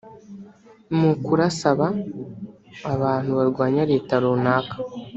mu kurasaba abantu barwanya Leta runaka